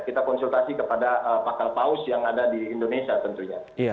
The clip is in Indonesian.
kita konsultasi kepada pakal paus yang ada di indonesia tentunya